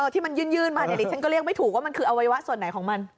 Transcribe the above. ที่มันยื่นมาเนี่ยดิฉันก็เรียกไม่ถูกว่ามันคืออวัยวะส่วนไหนของมัน